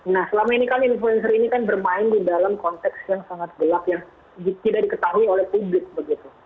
nah selama ini kan influencer ini kan bermain di dalam konteks yang sangat gelap yang tidak diketahui oleh publik begitu